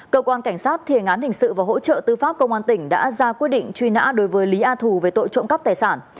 cơ quan cảnh sát thiền án hình sự và hỗ trợ tư pháp công an tỉnh đã ra quyết định truy nã đối với lý a thù về tội trộm cắp tài sản